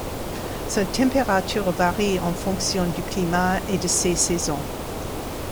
Sa température varie en fonction du climat et de ses saisons.